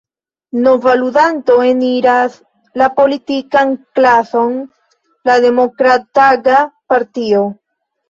Nova ludanto eniras la politikan klason: la Demokrat-aga Partio.